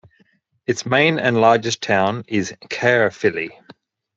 Its main and largest town is Caerphilly.